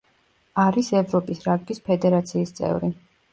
არის ევროპის რაგბის ფედერაციის წევრი.